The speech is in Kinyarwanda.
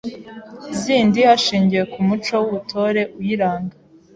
zindi hashingiwe ku muco w’Ubutore uyiranga,